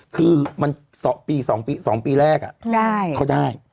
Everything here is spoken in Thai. คือปี๒ปีแรกเขาได้